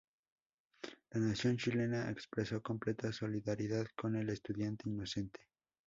La nación chilena expresó completa solidaridad con el estudiante inocente.